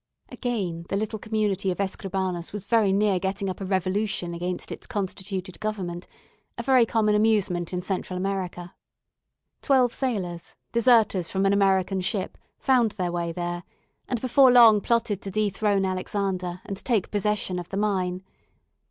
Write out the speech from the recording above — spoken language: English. Again the little community of Escribanos was very near getting up a revolution against its constituted government a very common amusement in Central America. Twelve sailors, deserters from an American ship, found their way there, and before long plotted to dethrone Alexander, and take possession of the mine.